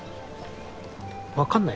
わかんない。